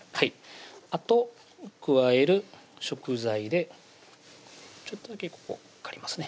あと加える食材でちょっとだけここ借りますね